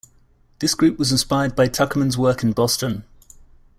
This group was inspired by Tuckerman's work in Boston.